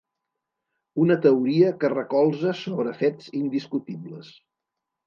Una teoria que recolza sobre fets indiscutibles.